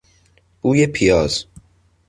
بوی پیاز